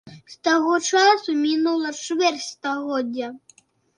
З таго часу мінула чвэрць стагоддзя.